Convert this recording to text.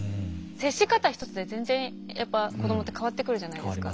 接し方一つで全然やっぱ子供って変わってくるじゃないですか。